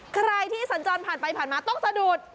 ใครที่สัญจรผ่านไปผ่านมาต้องสะดุด